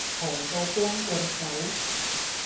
財到光棍手